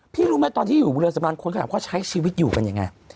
พี่รู้มั้ยตอนที่อยู่บริษัทสำราญคนก็ถามว่าใช้ชีวิตอยู่กันยังไง